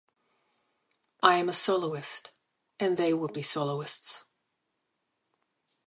I am a soloist and they will be soloists.